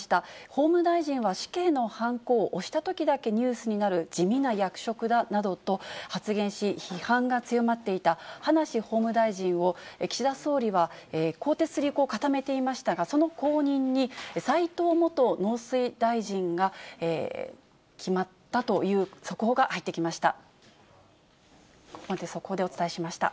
法務大臣は死刑のはんこを押したときだけニュースになる地味な役職だなどと発言し、批判が強まっていた、葉梨法務大臣を、岸田総理は更迭する意向を固めていましたが、その後任に、斎藤元農水大臣が決まったという速報が入ってきました。